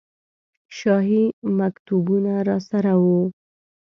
شاهي مکتوبونه راسره وو.